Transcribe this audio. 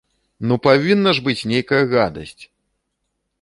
Ну, павінна ж быць нейкая гадасць!